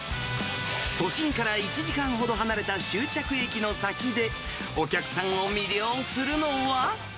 都心から１時間ほど離れた終着駅の先で、お客さんを魅了するのは。